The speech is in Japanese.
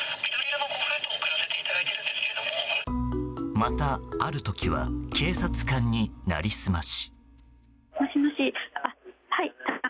またある時は警察官に成りすまし。